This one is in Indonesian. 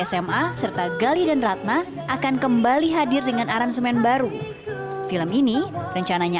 sma serta gali dan ratna akan kembali hadir dengan aransemen baru film ini rencananya